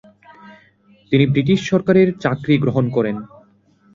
তিনি ব্রিটিশ সরকারের চাকরি গ্রহণ করেন।